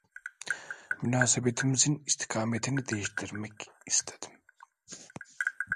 Münasebetimizin istikametini değiştirmek istedim…